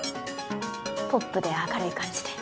ポップで明るい感じで。